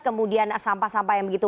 kemudian sampah sampah yang begitu